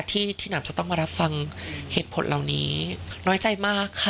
ที่หนำจะต้องมารับฟังเหตุผลเหล่านี้น้อยใจมากค่ะ